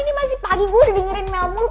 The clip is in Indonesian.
ini masih pagi gue udah dengerin mel mulu